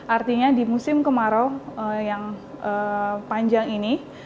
artinya di musim kemarau yang panjang ini